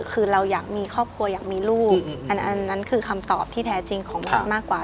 คือเราอยากมีครอบครัวอยากมีลูกอันนั้นคือคำตอบที่แท้จริงของแพทย์มากกว่า